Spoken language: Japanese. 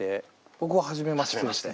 僕は初めまして。